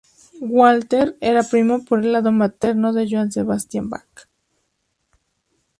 Walther era primo por el lado materno de Johann Sebastian Bach.